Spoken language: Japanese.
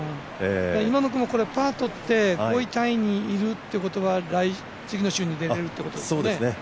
今野君もパーとって５位タイにいるってことは次の週に出れるっていうことですね。